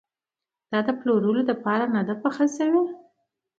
دا د پلورلو لپاره نه ده پخه شوې.